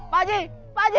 pak ji pak ji